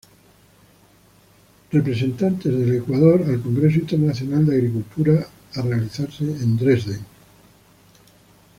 Representante del Ecuador al Congreso Internacional de Agricultura a realizarse en Dresden.